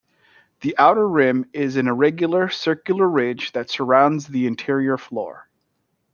The outer rim is an irregular circular ridge that surrounds the interior floor.